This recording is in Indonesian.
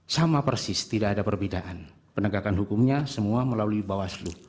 sama persis tidak ada perbedaan penegakan hukumnya semua melalui bawaslu